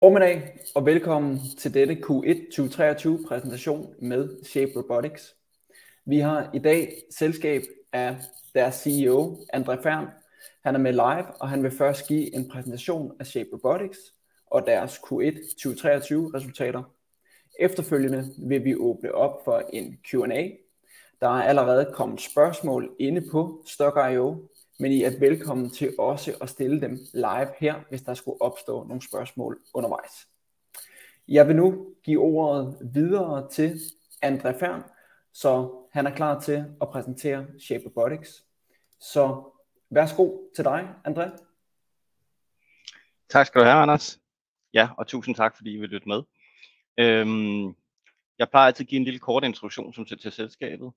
Godmorgen og velkommen til denne Q1 2023 præsentation med Shape Robotics. Vi har i dag selskab af deres CEO André Fehrn. Han er med live, og han vil først give en præsentation af Shape Robotics og deres Q1 2023 resultater. Efterfølgende vil vi åbne op for en Q&A. Der er allerede kommet spørgsmål inde på Stocky, men I er velkomne til også at stille dem live her, hvis der skulle opstå nogle spørgsmål undervejs. Jeg vil nu give ordet videre til André Fehrn, så han er klar til at præsentere Shape Robotics. Værsgo til dig André. Tak skal du have Anders. Ja, tusind tak fordi I vil lytte med. Jeg plejer altid at give en lille kort introduktion til selskabet.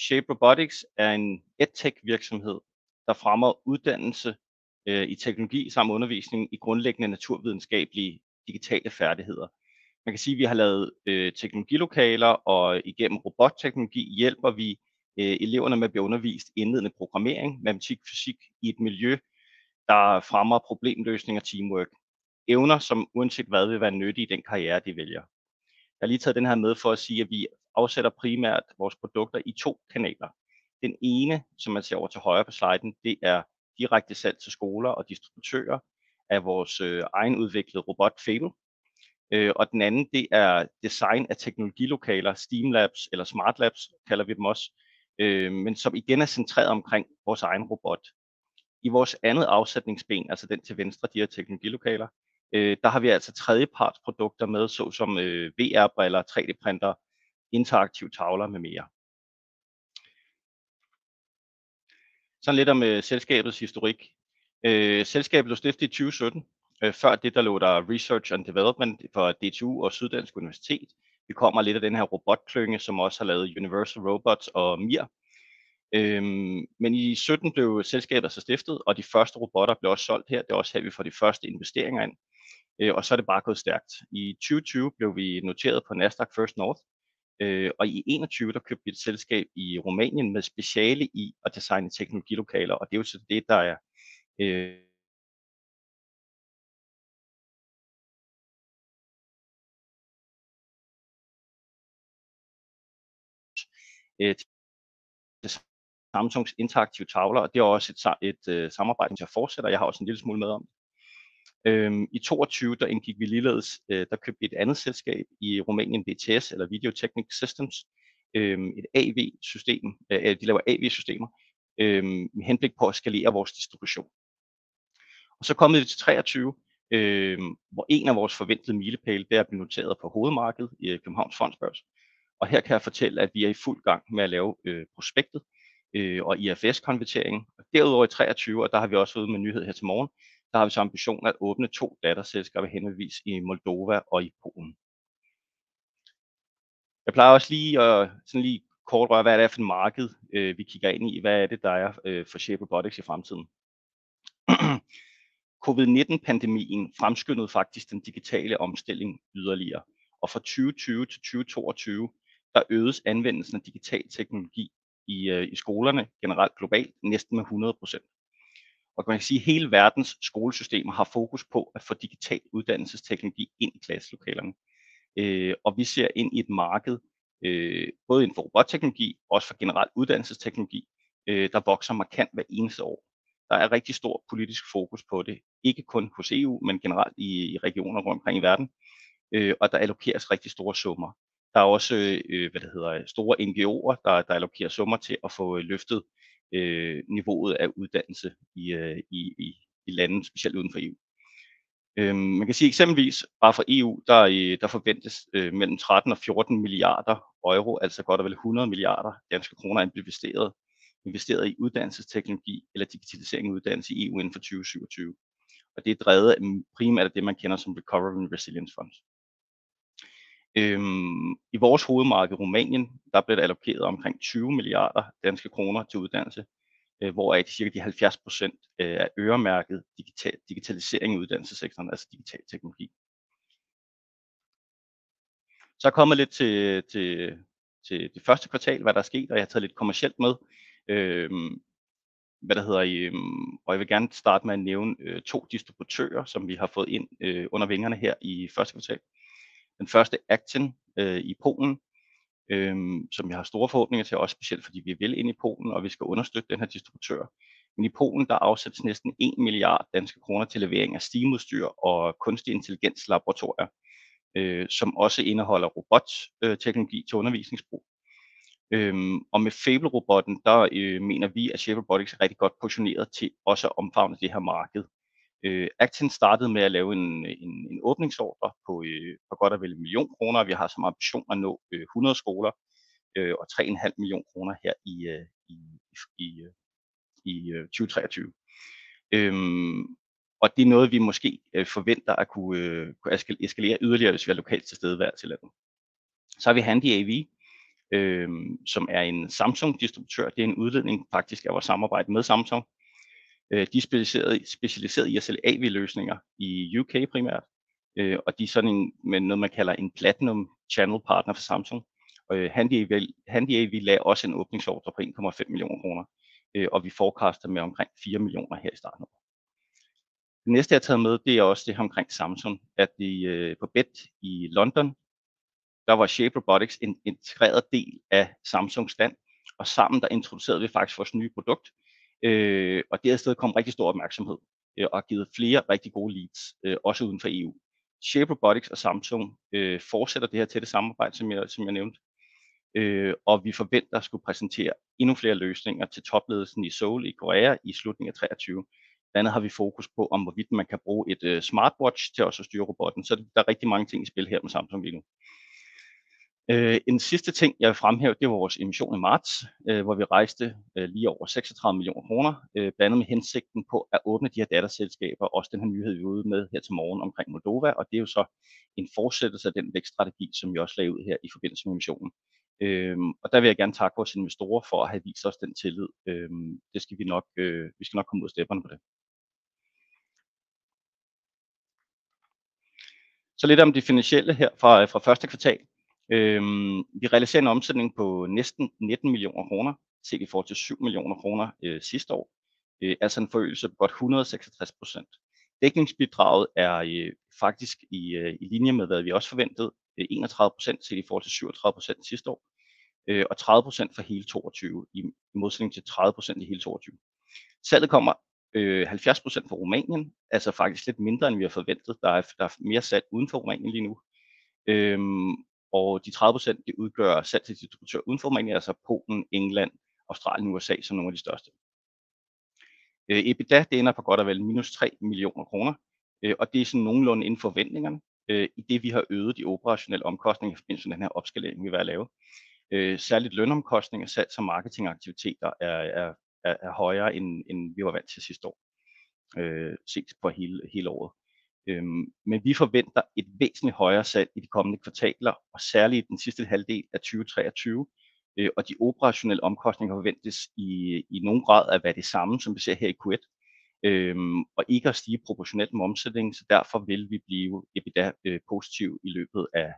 Shape Robotics er en EdTech virksomhed, der fremmer uddannelse i teknologi samt undervisning i grundlæggende naturvidenskabelige digitale færdigheder. Man kan sige, at vi har lavet teknologilokaler, igennem robotteknologi hjælper vi eleverne med at blive undervist i indledende programmering, matematik og fysik i et miljø, der fremmer problemløsning og teamwork evner, som uanset hvad vil være nyttige i den karriere, de vælger. Jeg har lige taget den her med for at sige, at vi afsætter primært vores produkter i to kanaler. Den ene, som man ser ovre til højre på sliden, er direkte salg til skoler og distributører af vores egenudviklede robot Fable, den anden er design af teknologilokaler. STEAM Labs eller SmartLabs kalder vi dem også, men som igen er centreret omkring vores egen robot i vores andet afsætningsben. Altså den til venstre. De her teknologilokaler har vi altså tredjepartsprodukter med, såsom VR glasses, 3D printers, interaktive tavler med mere. Lidt om selskabets historik. Selskabet blev stiftet i 2017. Før det lå der Research and Development for DTU og Syddansk Universitet. Vi kommer lidt af den her robotklynge, som også har lavet Universal Robots og MiR, men i 2017 blev selskabet stiftet, og de første robotter blev også solgt her. Det er også her, vi får de første investeringer ind, og så er det bare gået stærkt. I 2020 blev vi noteret på Nasdaq First North Growth Market og i 2021 købte vi et selskab i Rumænien med speciale i at designe teknologilokaler. Det er jo så det der er. Samsung's interaktive tavler, og det er også et samarbejde, som jeg fortsætter. Jeg har også en lille smule med om i 2022. Der indgik vi ligeledes. Der købte vi et andet selskab i Romania, BTS eller Video Technic Systems ET AV system. De laver AV systems med henblik på at skalere vores distribution, og så kom vi til 2023, hvor en af vores forventede milepæle er at blive noteret på Main Market på Nasdaq Copenhagen. Her kan jeg fortælle, at vi er i fuld gang med at lave prospektet og IFRS conversion. Derudover i 2023, og der har vi også været ude med en nyhed her til morgen. Der har vi som ambition at åbne two datterselskaber henholdsvis i Moldova og i Poland. Jeg plejer også lige sådan lige kort hvad det er for et marked vi kigger ind i. Hvad er det, der er for Shape Robotics i fremtiden? COVID-19-pandemien fremskyndede faktisk den digitale omstilling yderligere. Fra 2020 til 2022 øgedes anvendelsen af digital teknologi i skolerne generelt globalt næsten med 100%. Man kan sige, at hele verdens skolesystemer har fokus på at få digital uddannelsesteknologi ind i klasselokalerne. Vi ser ind i et marked både inden for robotteknologi og også for generel uddannelsesteknologi, der vokser markant hvert eneste år. Der er rigtig stor politisk fokus på det, ikke kun hos EU, men generelt i regioner rundt omkring i verden. Der allokeres rigtig store summer. Der er også, hvad der hedder store NGO'er, der allokerer summer til at få løftet niveauet af uddannelse i lande specielt uden for EU. Man kan sige eksempelvis bare fra EU. Der forventes mellem 13 billion-14 billion euro, altså godt og vel 100 billion kroner investeret i uddannelsesteknologi eller digitalisering af uddannelse i EU inden for 2027. Det er drevet primært af det, man kender som Recovery and Resilience Facility. I vores hovedmarked Rumænien. Der bliver der allokeret omkring 20 billion kroner til uddannelse, hvoraf cirka 70% er øremærket digitalisering i uddannelsessektoren, altså digital teknologi. Jeg er kommet lidt til det første kvartal. Hvad der er sket og jeg har taget lidt kommercielt med. Hvad der hedder. Jeg vil gerne starte med at nævne to distributører, som vi har fået ind under vingerne her i første kvartal. Den første Action i Poland, som jeg har store forhåbninger til, også specielt fordi vi vil ind i Poland, og vi skal understøtte den her distributør. I Poland afsættes næsten 1 billion kroner til levering af STEAM udstyr og kunstig intelligens laboratorier, som også indeholder robotteknologi til undervisningsbrug. Med Fable robotten, der mener vi, at Robotics er rigtig godt positioneret til også at omfavne det her marked. Action startede med at lave en åbnings ordre på godt og vel 1 million kroner. Vi har som ambition at nå 100 skoler og 3.5 million kroner her i 2023, det er noget, vi måske forventer at kunne eskalere yderligere, hvis vi er lokalt til stede i hvert enkelt land. Vi har Handy AV, som er en Samsung distributør. Det er en udledning faktisk af vores samarbejde med Samsung. De er specialiseret i at sælge AV løsninger i U.K. primært. De er sådan en med noget man kalder en Platinum Channel Partner for Samsung og Handy. We also placed an opening order for DKK 1.5 million. We forecast around DKK 4 million here at the start of the year. The next I take with, that is also this about Samsung, that we at Bett in London there was Shape Robotics an integrated part of Samsung's stand. Together we actually introduced our new product. That resulted in very great attention and has given several very good leads also outside the EU. Shape Robotics and Samsung continue the close collaboration, as I mentioned. We expect to present even more solutions to the top management in Seoul in Korea at the end of 2023. Among other things, we focus on whether one can use a smartwatch to also control the robot. There are very many things in play here with Samsung right now. En sidste ting jeg vil fremhæve er vores emission i marts, hvor vi rejste lige over 36 million kroner. Blandt andet med hensigten på at åbne de her datterselskaber. Også den her nyhed vi er ude med her til morgen omkring Moldova, og det er jo så en fortsættelse af den vækststrategi, som vi også lagde ud her i forbindelse med emissionen. Og der vil jeg gerne takke vores investorer for at have vist os den tillid. Det skal vi nok. Vi skal nok komme ud af stepperne på det. Så lidt om det finansielle her fra 1. kvartal. Vi realiserer en omsætning på næsten 19 million kroner set i forhold til 7 million kroner sidste år. Altså en forøgelse på godt 166%. Dækningsbidraget er faktisk i linje med, hvad vi også forventede 31% set i forhold til 37% sidste år i modsætning til 30% i hele 2022. Salget kommer 70% fra Romania. Faktisk lidt mindre end vi havde forventet. Der er mere sat uden for Romania lige nu, og de 30% udgør salg til distributører uden for Romania, altså Polen, England, Australien og USA som nogle af de største. EBITDA ender på godt og vel -3 million kroner, og det er sådan nogenlunde inden for forventningerne, idet vi har øget de operationelle omkostninger i forbindelse med den opskalering, vi er ved at lave. Særligt lønomkostninger, salg og marketingaktiviteter er højere, end vi var vant til sidste år set på hele året. Vi forventer et væsentligt højere salg i de kommende kvartaler og særligt i den sidste halvdel af 2023. De operationelle omkostninger forventes i nogen grad at være det samme, som vi ser her i Q1 og ikke at stige proportionelt med omsætningen. Derfor vil vi blive positiv i løbet af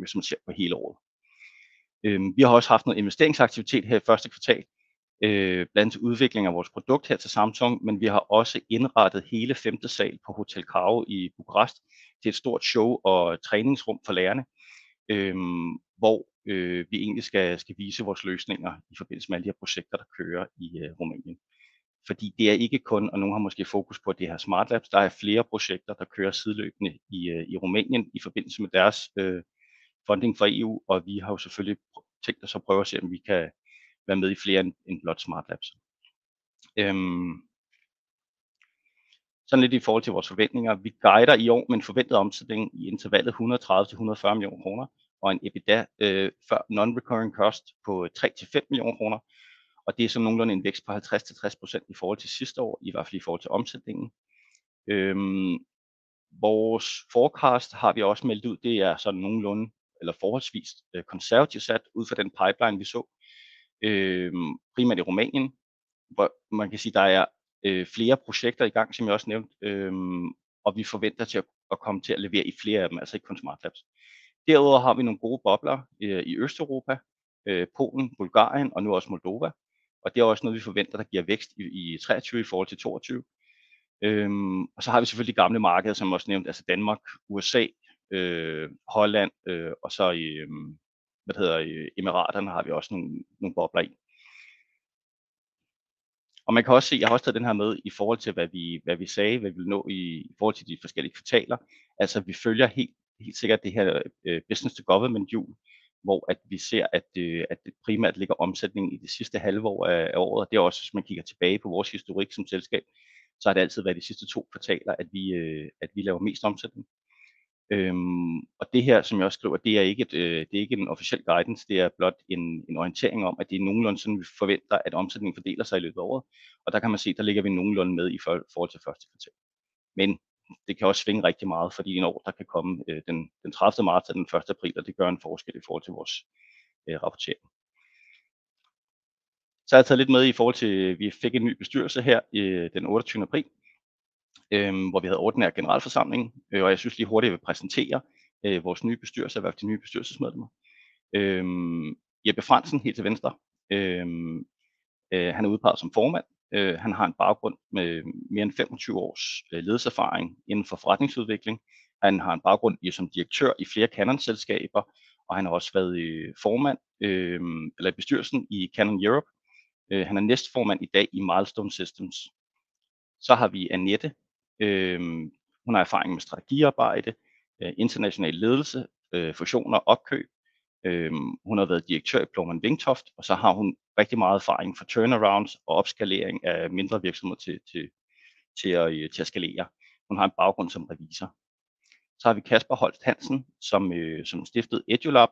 hvis man ser på hele året. Vi har også haft noget investeringsaktivitet her i første kvartal, blandt andet til udvikling af vores produkt her til Samsung. Vi har også indrettet hele femte sal på Hotel Caro i Bukarest til et stort show og træningsrum for lærerne, hvor vi egentlig skal vise vores løsninger i forbindelse med alle de her projekter, der kører i Rumænien. Det er ikke kun, og nogle har måske fokus på det her SmartLabs. Der er flere projekter, der kører sideløbende i Romania i forbindelse med deres funding fra EU, og vi har jo selvfølgelig tænkt os at prøve at se, om vi kan være med i flere end blot SmartLabs. Sådan lidt i forhold til vores forventninger. Vi guider i år med en forventet omsætning i intervallet 130 million-140 million kroner og en EBITDA før non-recurring omkost på 3 million-5 million kroner. Det er så nogenlunde en vækst på 50%-60% i forhold til sidste år i forhold til omsætningen. Vores forecast har vi også meldt ud. Det er sådan nogenlunde eller forholdsvist konservativt sat ud fra den pipeline, vi så primært i Romania, hvor man kan sige, at der er flere projekter i gang, som jeg også nævnte, og vi forventer at komme til at levere i flere af dem. Altså ikke kun SmartLabs. Derudover har vi nogle gode bobler i Østeuropa, Polen, Bulgarien og nu også Moldova. Det er også noget, vi forventer, der giver vækst i 23 i forhold til 22. Har vi selvfølgelig gamle markeder, som også nævnt. Altså Danmark, USA, Holland og så i hvad hedder Emiraterne. Har vi også nogle bobler i? Man kan også se, at jeg har også taget den her med i forhold til hvad vi. Hvad vi sagde, vi ville nå i forhold til de forskellige kvartaler. Altså, vi følger helt sikkert det her Business-to-government hjul, hvor vi ser, at det primært ligger omsætning i det sidste halve år af året. Det er også hvis man kigger tilbage på vores historik som selskab, så har det altid været de sidste two kvartaler, at vi laver mest omsætning. Det her, som jeg også skriver det er ikke. Det er ikke en officiel guidance, det er blot en orientering om, at det er nogenlunde sådan, vi forventer, at omsætningen fordeler sig i løbet af året, og der kan man se, at der ligger vi nogenlunde med i forhold til first quarter. Det kan også svinge rigtig meget, fordi i år der kan komme the 30th March and the 1st April. Det gør en forskel i forhold til vores rapportering. Jeg har taget lidt med i forhold til. Vi fik en ny bestyrelse her the 28th April, hvor vi havde ordinær generalforsamling, og jeg synes lige hurtigt at præsentere vores nye bestyrelse. De nye bestyrelsesmedlemmer Jeppe Frandsen. Helt til venstre. Han er udpeget som Chairman. Han har en baggrund med mere end 25 years ledelseserfaring inden for forretningsudvikling. Han har en baggrund som direktør i flere Canon selskaber, han har også været formand eller i bestyrelsen i Canon Europe. Han er næstformand i dag i Milestone Systems. Vi har Anette. Hun har erfaring med strategiarbejde, international ledelse, fusioner og opkøb. Hun har været direktør i Plougmann Vingtoft, hun har rigtig meget erfaring fra turnaround og opskalering af mindre virksomheder til at skalere. Hun har en baggrund som revisor. Vi har Kasper Holst Hansen, som stiftede Edulab.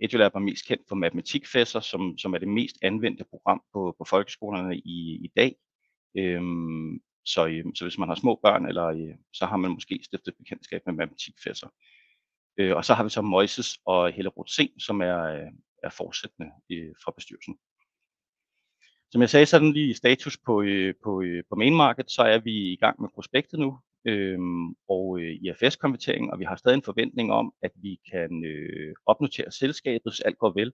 Edulab er mest kendt for MatematikFessor, som er det mest anvendte program på folkeskolerne i dag. Hvis man har små børn, eller så har man måske stiftet bekendtskab med MatematikFessor. Vi har så Moises og Helle Rootzén, som er fortsættende fra bestyrelsen. Som jeg sagde, sådan lige status på Main Market, så er vi i gang med prospektet nu og IFRS konvertering, og vi har stadig en forventning om, at vi kan opnotere selskabet, hvis alt går vel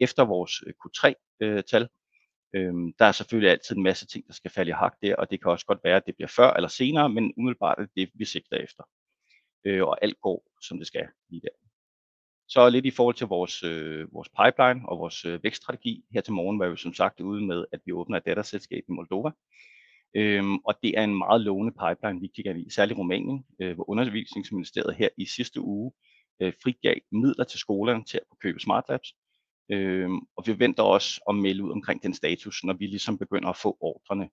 efter vores Q3 tal. Der er selvfølgelig altid en masse ting, der skal falde i hak der, og det kan også godt være, at det bliver før eller senere, men umiddelbart er det det vi sigter efter, og alt går som det skal lige der. Lidt i forhold til vores pipeline og vores vækststrategi. Her til morgen var vi som sagt ude med, at vi åbner et datterselskab i Moldova, og det er en meget lovende pipeline, vi kigger i. Særligt Rumænien, hvor Undervisningsministeriet her i sidste uge frigav midler til skolerne til at købe SmartLabs. Vi venter også at melde ud omkring den status, når vi ligesom begynder at få ordrerne.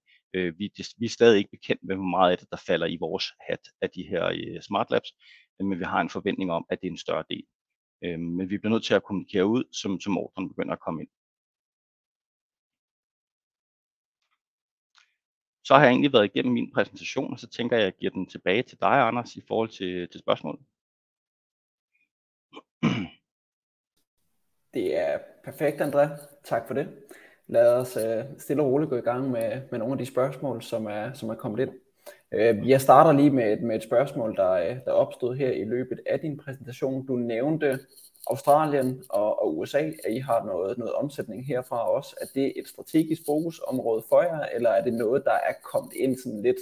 Vi er stadig ikke bekendt med, hvor meget af det der falder i vores hat af de her SmartLabs, men vi har en forventning om, at det er en større del, men vi bliver nødt til at kommunikere ud, som ordrerne begynder at komme ind. Jeg har egentlig været igennem min præsentation, og så tænker jeg, at jeg giver den tilbage til dig Anders i forhold til spørgsmålene. Det er perfekt André. Tak for det. Lad os stille og roligt gå i gang med nogle af de spørgsmål, som er kommet ind. Jeg starter lige med et spørgsmål, der opstod her i løbet af din præsentation. Du nævnte Australien og USA, at I har noget omsætning herfra også. Er det et strategisk fokusområde for jer, eller er det noget, der er kommet ind sådan lidt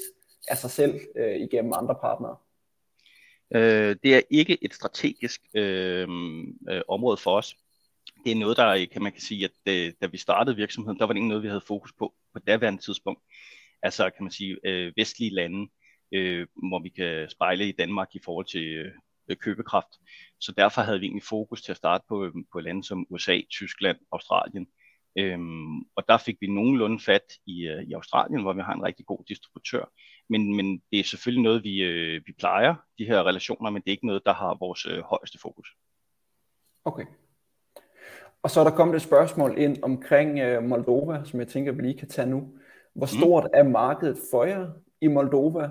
af sig selv igennem andre partnere? Det er ikke et strategisk område for os. Det er noget, der kan man sige, at da vi startede virksomheden, der var det ikke noget, vi havde fokus på daværende tidspunkt. Kan man sige vestlige lande, hvor vi kan spejle i Danmark i forhold til købekraft. Derfor havde vi egentlig fokus til at starte på lande som USA, Tyskland, Australien og der fik vi nogenlunde fat i Australien, hvor vi har en rigtig god distributør. Det er selvfølgelig noget vi plejer de her relationer, men det er ikke noget der har vores højeste fokus. Okay. Så er der kommet et spørgsmål ind omkring Moldova, som jeg tænker vi lige kan tage nu. Hvor stort er markedet for jer i Moldova?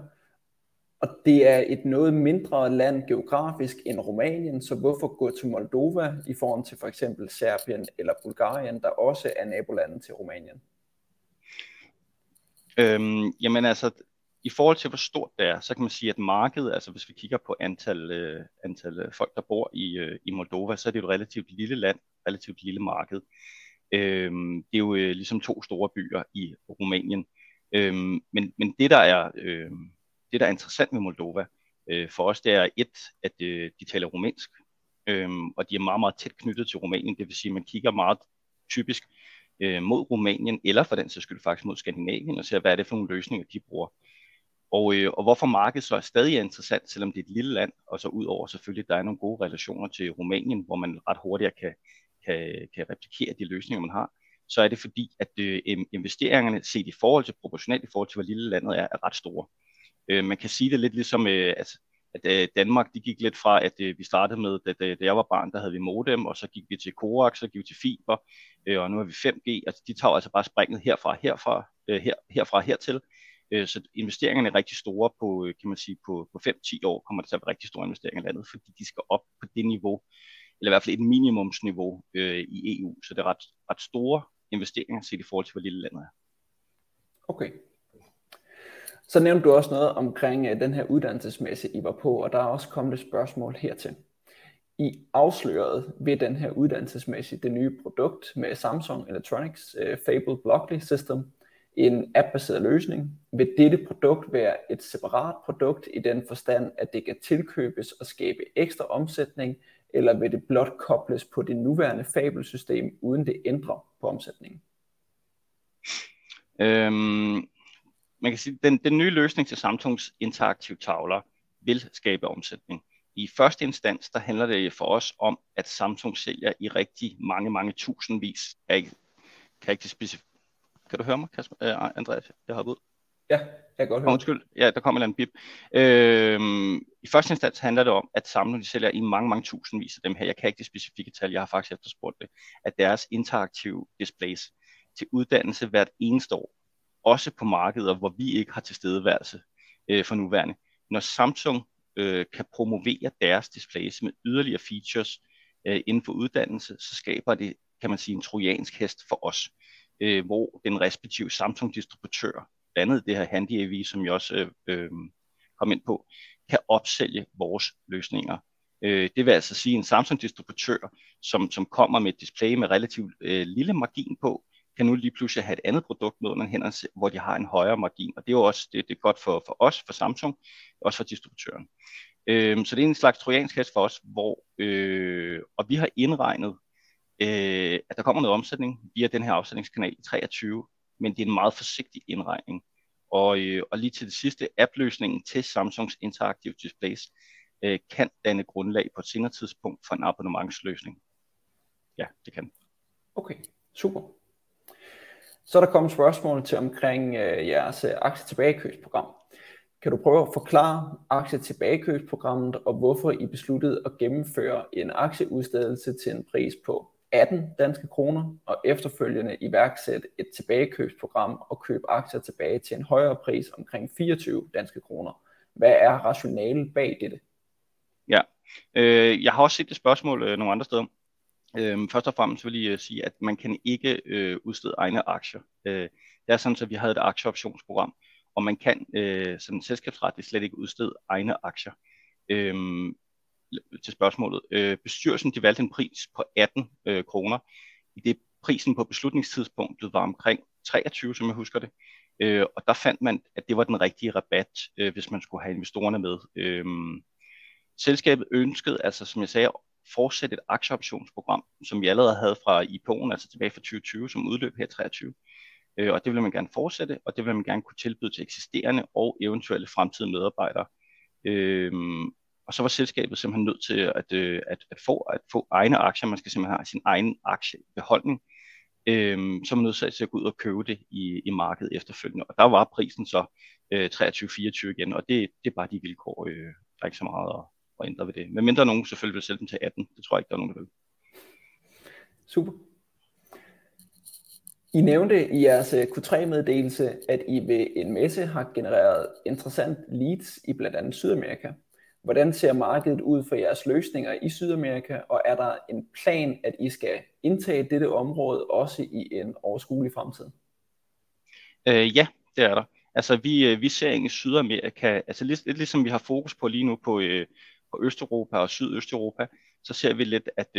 Det er et noget mindre land geografisk end Rumænien, så hvorfor gå til Moldova i forhold til for eksempel Serbien eller Bulgarien, der også er nabolande til Rumænien? I forhold til hvor stort det er, så kan man sige at markedet altså hvis vi kigger på antal folk der bor i Moldova, så er det jo et relativt lille land. Relativt lille marked. Det er jo ligesom to store byer i Rumænien. Det der er det, der er interessant ved Moldova for os, det er et at de taler rumænsk, og de er meget tæt knyttet til Rumænien. Det vil sige, at man kigger meget typisk mod Rumænien eller for den sags skyld faktisk mod Skandinavien og ser hvad er det for nogle løsninger de bruger og hvorfor markedet så stadig er interessant, selvom det er et lille land. Udover selvfølgelig der er nogle gode relationer til Romania, hvor man ret hurtigt kan replikere de løsninger man har, så er det fordi at investeringerne set i forhold til proportionalt i forhold til hvor lille landet er ret store. Man kan sige det lidt ligesom at Denmark det gik lidt fra, at vi startede med da jeg var barn, der havde vi modem, og så gik vi til coax og gik vi til fiber og nu har vi 5G. De tager altså bare springet herfra og hertil. Investeringerne er rigtig store. På kan man sige på 5-10 år kommer der til at være rigtig store investeringer i landet, fordi de skal op på det niveau eller i hvert fald et minimumsniveau i EU. Det er ret ret store investeringer set i forhold til hvor lille landet er. Okay. Nævnte du også noget omkring den her uddannelsesmesse I var på, og der er også kommet et spørgsmål hertil. I afslørede ved denne her uddannelsesmesse det nye produkt med Samsung Electronics Fable Blockly system. En app baseret løsning. Vil dette produkt være et separat produkt i den forstand, at det kan tilkøbes og skabe ekstra omsætning? Eller vil det blot kobles på det nuværende Fable system, uden det ændrer på omsætningen? Man kan sige den nye løsning til Samsungs interaktive tavler vil skabe omsætning i first instance. Der handler det for os om, at Samsung sælger i rigtig mange tusindvis af karakteristisk. Kan du høre mig? Kasper Andreasen. Jeg hoppede ud. Ja, jeg kan godt. Undskylde. Ja, der kom en eller anden bib. I første instans handler det om at Samsung sælger i mange tusindvis af dem. Jeg kan ikke de specifikke tal. Jeg har faktisk efterspurgt det, at deres interaktive displays til uddannelse hvert eneste år også på markeder, hvor vi ikke har tilstedeværelse for nuværende. Når Samsung kan promovere deres displays med yderligere features inden for uddannelse, så skaber det, kan man sige en trojansk hest for os, hvor den respektive Samsung distributør blandt andet det her Handy AV, som jeg også kom ind på, kan opsælge vores løsninger. Det vil altså sige en Samsung distributør, som kommer med et display med relativ lille margin på, kan nu lige pludselig have et andet produkt ned under hænderne, hvor de har en højere margin. Det er jo også det. Det er godt for os, for Samsung også for distributøren. Det er en slags trojansk hest for os, hvor vi har indregnet, at der kommer noget omsætning via den her afsætningskanal i 2023. Det er en meget forsigtig indregning. Lige til det sidste app løsningen til Samsungs interaktive displays kan danne grundlag på et senere tidspunkt for en abonnementsløsning. Ja, det kan den. Okay, super. er der kommet spørgsmål til omkring jeres aktietilbagekøbsprogram. Kan du prøve at forklare aktietilbagekøbsprogram og hvorfor I besluttede at gennemføre en aktieudstedelse til en pris på 18 kroner og efterfølgende iværksætte et tilbagekøbsprogram og købe aktier tilbage til en højere pris omkring 24 kroner. Hvad er rationalet bag dette? Ja, jeg har også set det spørgsmål nogle andre steder. Først og fremmest vil jeg sige, at man kan ikke udstede egne aktier. Det er sådan så vi havde et aktieoptionsprogram, og man kan sådan selskabsretligt slet ikke udstede egne aktier. Til spørgsmålet bestyrelsen valgte en pris på 18, idet prisen på beslutningstidspunktet var omkring 23, som jeg husker det, og der fandt man, at det var den rigtige rabat, hvis man skulle have investorerne med. Selskabet ønskede altså, som jeg sagde, at fortsætte et aktieoptionsprogram, som vi allerede havde fra IPO'en, altså tilbage fra 2020, som udløb her i 2023, og det ville man gerne fortsætte, og det ville man gerne kunne tilbyde til eksisterende og eventuelle fremtidige medarbejdere. Og så var selskabet simpelthen nødt til at få egne aktier. Man skal have sin egen aktiebeholdning, så man er nødsaget til at gå ud og købe det i markedet efterfølgende. Der var prisen så 23-24 igen, og det er bare de vilkår. Der er ikke så meget at ændre ved det, medmindre nogen selvfølgelig vil sælge den til DKK 18. Det tror jeg ikke, der er nogen, der vil. Super! I nævnte i jeres Q3 meddelelse, at I ved en messe har genereret interessant leads i blandt andet Sydamerika. Hvordan ser markedet ud for jeres løsninger i Sydamerika, og er der en plan, at I skal indtage dette område også i en overskuelig fremtid? Ja, det er der altså vi. Vi ser i Sydamerika. Altså lidt ligesom vi har fokus på lige nu på Østeuropa og Sydøsteuropa, så ser vi lidt at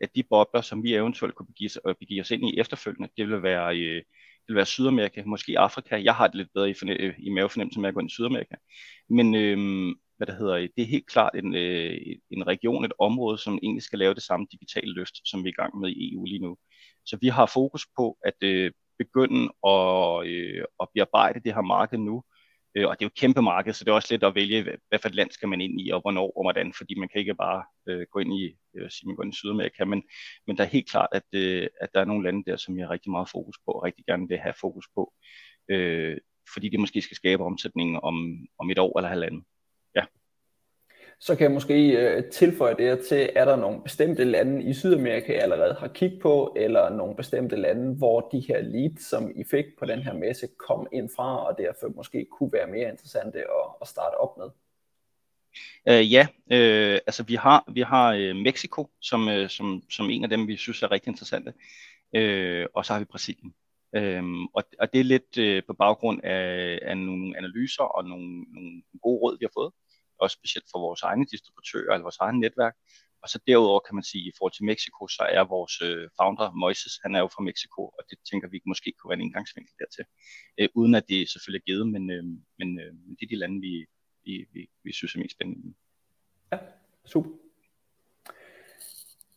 at de bobler, som vi eventuelt kunne begive os ind i efterfølgende, det vil være i Sydamerika, måske Afrika. Jeg har det lidt bedre i mavefornemmelsen med at gå ind i Sydamerika. Men hvad hedder det? Det er helt klart en region, et område, som egentlig skal lave det samme digitale løft, som vi er i gang med i EU lige nu. Så vi har fokus på at begynde at bearbejde det her marked nu. Og det er jo et kæmpe marked, så det er også lidt at vælge hvad for et land skal man ind i og hvornår og hvordan? Fordi man kan ikke bare gå ind i Sydamerika. Der er helt klart, at der er nogle lande, som jeg rigtig meget fokus på og rigtig gerne vil have fokus på, fordi det måske skal skabe omsætning om 1 år eller 1.5 år. Ja. Kan jeg måske tilføje det til. Er der nogle bestemte lande i Sydamerika I allerede har kig på eller nogle bestemte lande, hvor de her leads som I fik på den her messe kom ind fra og derfor måske kunne være mere interessante at starte op med? Ja, vi har Mexico som en af dem, vi synes er rigtig interessante. Vi har Brazil. Det er lidt på baggrund af nogle analyser og nogle gode råd vi har fået, og specielt fra vores egne distributører eller vores eget netværk. Derudover kan man sige i forhold til Mexico, så er vores Founder Moises. Han er jo fra Mexico, det tænker vi måske kunne være en indgangsvinkel dertil, uden at det selvfølgelig er givet. Det er de lande vi synes er mest spændende. Ja. Super.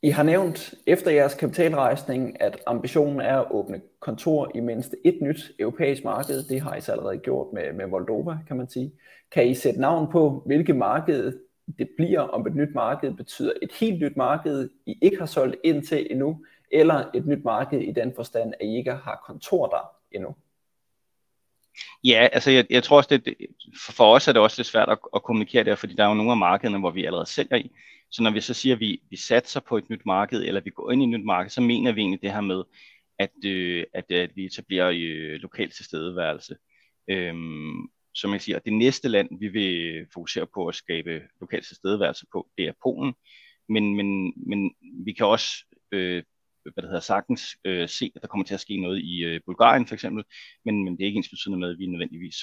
I har nævnt efter jeres kapitalrejsning, at ambitionen er at åbne kontor i mindst 1 nyt europæisk marked. Det har I så allerede gjort med Moldova, kan man sige. Kan I sætte navn på, hvilket marked det bliver om et nyt marked betyder et helt nyt marked, I ikke har solgt ind til endnu eller et nyt marked i den forstand, at I ikke har kontor der endnu? Jeg tror også det. For os er det også lidt svært at kommunikere det, fordi der er jo nogle af markederne, hvor vi allerede sælger i. Når vi så siger vi satser på et nyt marked, eller vi går ind i et nyt marked, så mener vi egentlig det her med at vi etablerer lokal tilstedeværelse. Som jeg siger det næste land, vi vil fokusere på at skabe lokal tilstedeværelse på, det er Polen. Vi kan også sagtens se, at der kommer til at ske noget i Bulgarien for eksempel. Det er ikke ensbetydende med, at vi nødvendigvis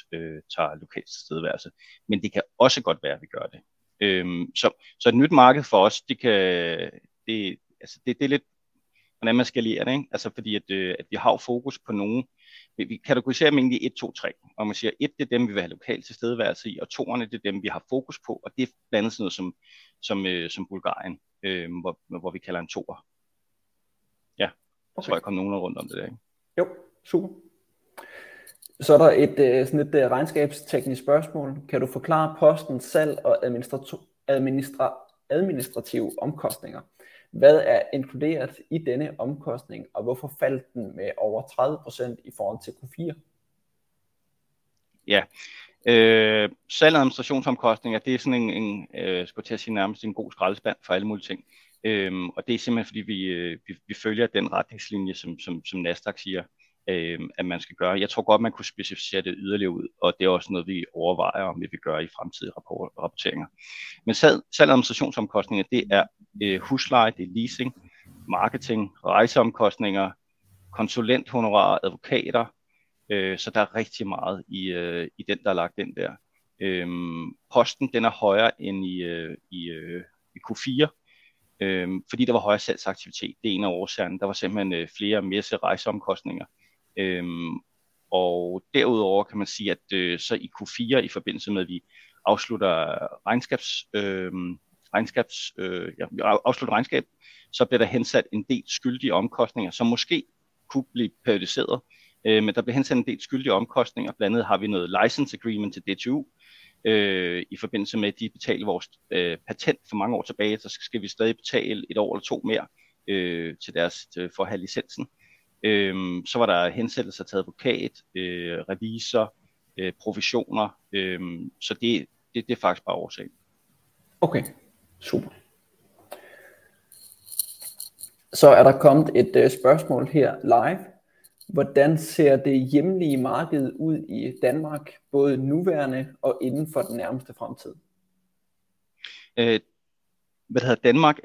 tager lokal tilstedeværelse. Det kan også godt være, at vi gør det. Et nyt marked for os, det kan det. Det er lidt, hvordan man skal lære det. Fordi at vi har fokus på nogle. Vi kategoriserer dem egentlig i 1, 2, 3, hvor man siger 1. Det er dem, vi vil have lokal tilstedeværelse i, og 2s er dem, vi har fokus på. Det er blandt andet sådan noget som som Bulgarien, hvor vi kalder a 2. Så tror jeg kom nogenlunde rundt om det der. Jo super. Der er et regnskabsteknisk spørgsmål. Kan du forklare posten salg og administrative omkostninger? Hvad er inkluderet i denne omkostning, og hvorfor faldt den med over 30% i forhold til Q4? Ja. Salg og administrationsomkostninger. Det er sådan en jeg skulle til at sige nærmest en god skraldespand for alle mulige ting. Det er simpelthen fordi vi følger den retningslinje, som Nasdaq siger, at man skal gøre. Jeg tror godt, at man kunne specificere det yderligere ud, og det er også noget, vi overvejer, om vi vil gøre i fremtidige rapporteringer. Salg, administration, omkostninger er husleje, leasing, marketing, rejseomkostninger, konsulenthonorarer, advokater. Der er rigtig meget i den, der er lagt ind der. Posten er højere end i Q4, fordi der var højere salgsaktivitet. Det er en af årsagerne. Der var simpelthen flere messer, rejseomkostninger og derudover kan man sige, at så i Q4, i forbindelse med at vi afslutter regnskabs afsluttet regnskab, så bliver der hensat en del skyldige omkostninger, som måske kunne blive periodiseret. Der blev hensat en del skyldige omkostninger. Vi har noget license agreement til DTU i forbindelse med de betalte vores patent for mange år tilbage, skal vi stadig betale 1 år eller 2 mere til deres for at have licensen. Der var hensættelser til advokat, revisor, professioner. Det er faktisk bare årsagen. Okay, super. er der kommet et spørgsmål her live. Hvordan ser det hjemlige marked ud i Danmark både nuværende og inden for den nærmeste fremtid? Hvad hedder Danmark?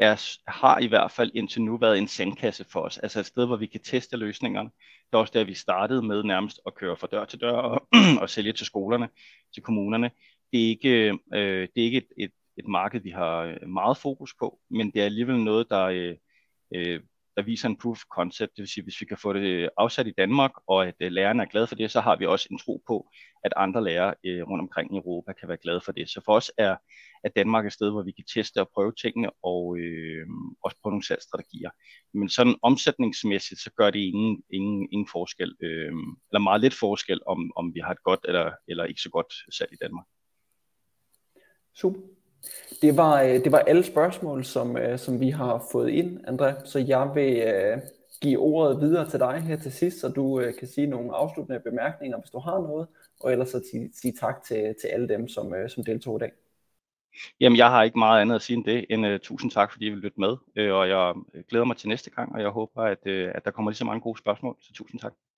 Har i hvert fald indtil nu været en sandkasse for os. Et sted hvor vi kan teste løsningerne. Det var også der, vi startede med nærmest at køre fra dør til dør og sælge til skolerne, til kommunerne. Det er ikke et marked, vi har meget fokus på, men det er alligevel noget, der viser en proof of concept. Det vil sige, at hvis vi kan få det afsat i Danmark, og at lærerne er glade for det, så har vi også en tro på, at andre lærere rundt omkring i Europa kan være glade for det. For os er at Danmark er et sted, hvor vi kan teste og prøve tingene og også prøve nogle salgsstrategier. Sådan omsætningsmæssigt, så gør det ingen forskel eller meget lidt forskel om vi har et godt eller ikke så godt salg i Danmark. Super! Det var alle spørgsmål som vi har fået ind. André, jeg vil give ordet videre til dig her til sidst, så du kan sige nogle afsluttende bemærkninger, hvis du har noget. Ellers, sige tak til alle dem, som deltog i dag. Jeg har ikke meget andet at sige end det. Tusind tak fordi I ville lytte med og jeg glæder mig til næste gang og jeg håber at der kommer lige så mange gode spørgsmål. Tusind tak!